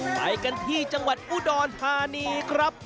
ไปกันที่จังหวัดอุดรธานีครับ